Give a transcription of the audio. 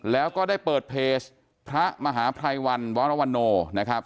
แล้วก็ได้เปิดเพจพระมหาภัยวันวรวรโนนะครับ